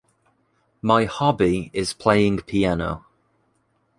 My hobby is playing piano.